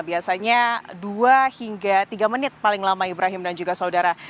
biasanya dua hingga tiga menit paling lama ibrahim dan juga saudara